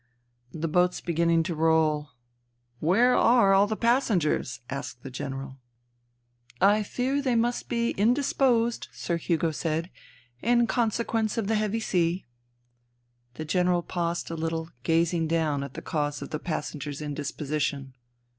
" The boat's beginning to roll." " Where are all the passengers ?'* asked the General. 232 FUTILITY " I fear they must be indisposed, Sir Hugo said, " in consequence of the heavy sea " The General paused a httle, gazing down at the cause of the passengers' indisposition.